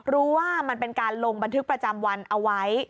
ว่ามันเป็นการลงบันทึกประจำวันเอาไว้